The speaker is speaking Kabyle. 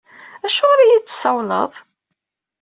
Acuɣer i iyi-d-tessawleḍ?